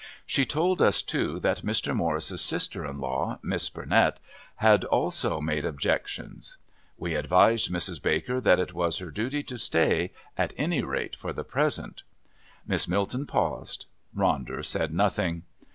She told us, too, that Mr. Morris's sister in law, Miss Burnett, had also made objections. We advised Mrs. Baker that it was her duty to stay, at any rate for the present." Miss Milton paused. Ronder said nothing.